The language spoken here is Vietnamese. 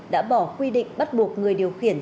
đã bỏ quy định bắt buộc người điều khiển